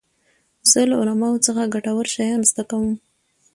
زه له علماوو څخه ګټور شیان زده کوم.